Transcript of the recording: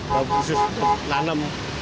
kalau khusus nanem